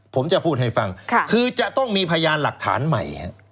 ผมจะพูดให้ฟังคือจะต้องมีพยานหลักฐานใหม่